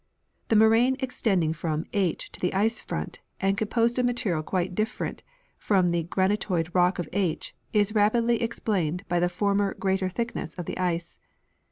The moraine extending from ^to the ice front, and composed of material quite different from the granitoid rock of H, is readily explained by the former greater thickness of the ice.